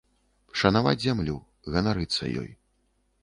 Шанаваць зямлю, ганарыцца ёй.